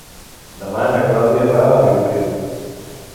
Demà na Clàudia va a Vilopriu.